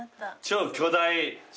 超巨大？